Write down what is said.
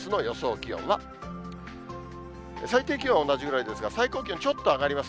気温は、最低気温は同じぐらいですが、最高気温ちょっと上がります。